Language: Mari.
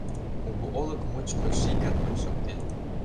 Кугу олык мучко ший гармонь шоктен.